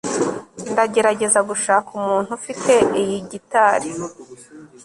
ndagerageza gushaka umuntu ufite iyi gitari